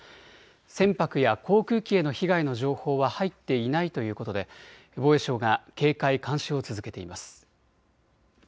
船舶や航空機への被害の情報は入っていないということで防衛省が警戒・監視を続けています。